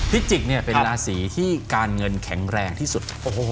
จิกเนี่ยเป็นราศีที่การเงินแข็งแรงที่สุด